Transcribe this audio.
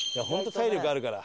体力あるから。